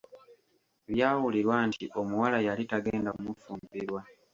Byawulirwa nti omuwala yali tagenda kumufumbirwa.